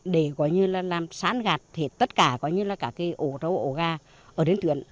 để làm sán gạt tất cả ổ râu ổ gà ở đến tuyển